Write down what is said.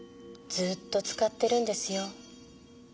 ずっと使ってるんですよ。